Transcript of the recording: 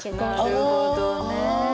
なるほどね。